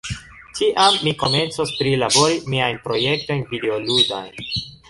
tiam mi komencos prilabori miajn projektojn videoludajn.